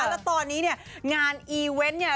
แล้วตอนนี้เนี่ยงานอีเวนต์เนี่ย